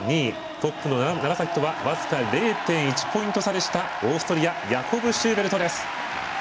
トップの楢崎が０．１ポイント差でしたオーストリアヤコブ・シューベルトです。